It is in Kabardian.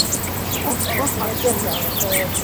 Ӏуэху фӏэхъу апщий.